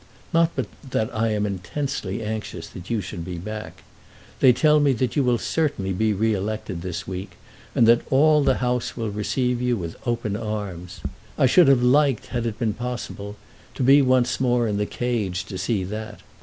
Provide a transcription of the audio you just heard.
Not but that I am intensely anxious that you should be back. They tell me that you will certainly be re elected this week, and that all the House will receive you with open arms. I should have liked, had it been possible, to be once more in the cage to see that.